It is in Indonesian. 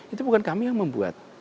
itu bukan kami yang membuat